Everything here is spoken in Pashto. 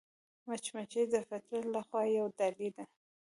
مچمچۍ د فطرت له خوا یوه ډالۍ ده